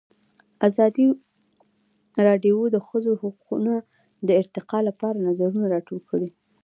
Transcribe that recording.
ازادي راډیو د د ښځو حقونه د ارتقا لپاره نظرونه راټول کړي.